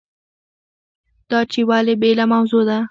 دا چې ولې بېله موضوع ده.